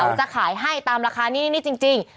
เขาจะขายให้ตามราคานี้จริง